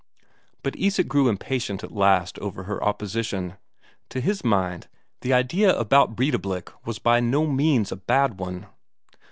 But Isak grew impatient at last over her opposition; to his mind, the idea about Breidablik was by no means a bad one.